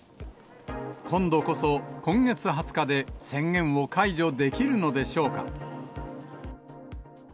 今度こそ、今月２０日で宣言を解除できるのでしょうか。